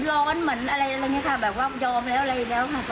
เหมือนร้อนเหมือนอะไรอะไรอย่างเงี้ยค่ะแบบว่ายอมแล้วอะไรอย่างเงี้ยค่ะ